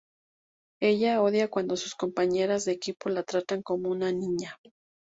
Ella odia cuando sus compañeras de equipo la tratan como una niña.